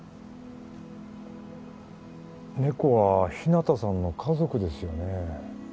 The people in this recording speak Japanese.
猫は日向さんの家族ですよね